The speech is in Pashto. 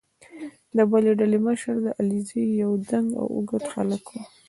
د بلې ډلې مشر د علیزو یو دنګ او اوږد هلک وو.